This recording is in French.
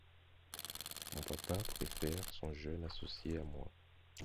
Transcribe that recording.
mon papa préfère son jeune associé à moi.